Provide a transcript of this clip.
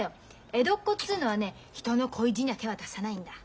江戸っ子っつうのはね人の恋路には手は出さないんだ。